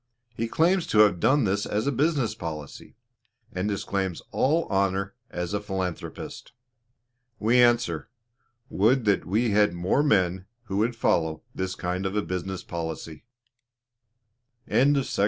He claims to have done this as a business policy, and disclaims all honor as a philanthropist. We answer, would that we had more men who would follow this kind of a business policy. THOMAS A.